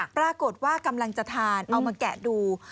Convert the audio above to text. ปรากฏว่ากำลังจะทานเอามาแกะดู